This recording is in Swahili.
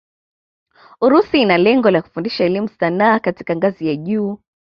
Urusi ina lengo la kufundisha elimu sanaa katika ngazi ya juu